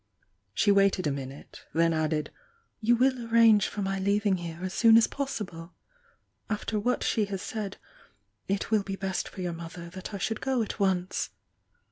She waited a minute, — then added — "You will ar range for my leaving here aa soon as possible? After what die has said, it will be best for your mother that I should go at once."